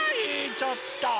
ちょっと！